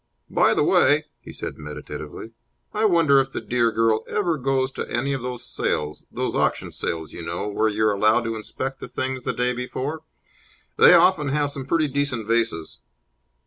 "By the way," he said, meditatively, "I wonder if the dear girl ever goes to any of those sales those auction sales, you know, where you're allowed to inspect the things the day before? They often have some pretty decent vases."